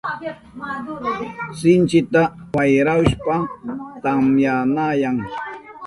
Sinchita wayrahushpan tamyanayan.